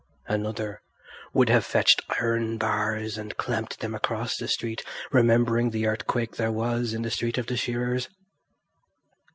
Another would have fetched iron bars and clamped them across the street, remembering the earthquake there was in the street of the shearers.